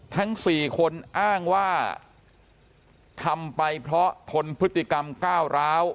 ทั้ง๔คนอ้างว่าทำไปเพราะทนพฤติกรรมก้าวร้าว